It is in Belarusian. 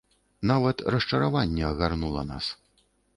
Нават расчараванне агарнула нас.